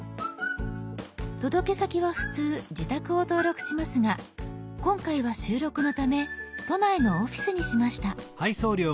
届け先は普通自宅を登録しますが今回は収録のため都内のオフィスにしました。